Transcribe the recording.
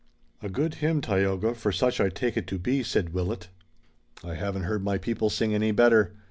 "A good hymn, Tayoga, for such I take it to be," said Willet. "I haven't heard my people sing any better.